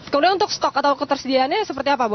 kemudian untuk stok atau ketersediaannya seperti apa bu